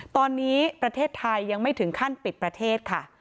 ตอนนี้ประเทศไทยยังไม่ถึงขั้นปิดประเทศค่ะ